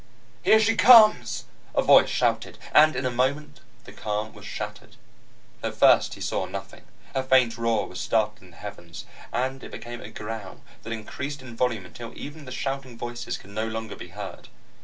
"Here she comes!" a voice shouted. And in a moment, the calm was shattered. At first, he saw nothing. A faint roar was started in the heavens, and it became a growl that increased in volume until even the shouting voices could no longer be heard.